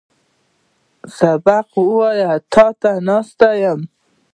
سبق ویلو ته ناست یم.